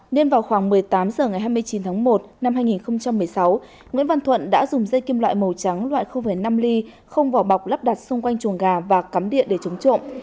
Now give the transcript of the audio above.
nên vào khoảng một mươi tám h ngày hai mươi chín tháng một năm hai nghìn một mươi sáu nguyễn văn thuận đã dùng dây kim loại màu trắng loại năm ly không vỏ bọc lắp đặt xung quanh chuồng gà và cắm điện để chống trộm